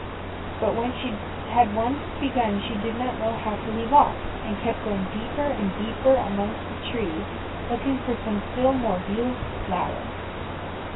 But when she had once begun she did not know how to leave off, and kept going deeper and deeper amongst the trees looking for some still more beautiful flower.